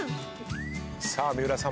さあ三浦さんも。